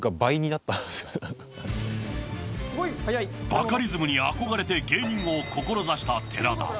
バカリズムに憧れて芸人を志した寺田。